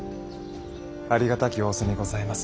ありがたき仰せにございます。